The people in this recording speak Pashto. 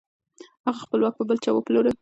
هغه خپل واک په بل چا وپلوره.